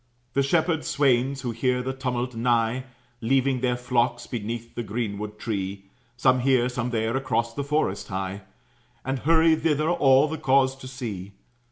The shepherd swains, who hear the tumult nigh, Leaving their flocks beneath the greenwood tree, Some here, some there, across the forest hie, And hurry thither, all, the cause to see.